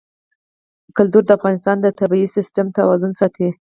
کلتور د افغانستان د طبعي سیسټم توازن ساتي.